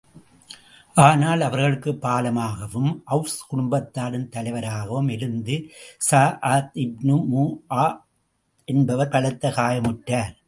ஆனால் அவர்களுக்குப் பாலமாகவும், ஒளஸ் குடும்பத்தாரின் தலைவராகவும் இருந்த ஸஅத் இப்னு முஆத் என்பவர் பலத்த காயமுற்றார்.